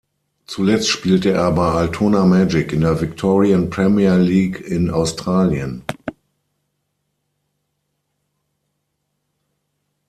Zuletzt spielte er bei Altona Magic in der Victorian Premier League in Australien.